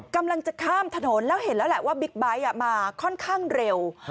กำลังจะข้ามถนนแล้วเห็นแล้วแหละว่าบิ๊กไบท์มาค่อนข้างเร็ว